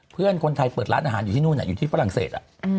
เพื่อนคนไทยเปิดร้านอาหารอยู่ที่นู่นอยู่ที่ฝรั่งเศส